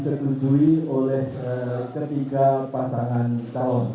tertapkan dan disetujui oleh ketiga pasangan tahun